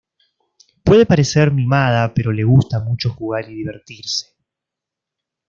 Puede parecer mimada pero le gusta mucho jugar y divertirse.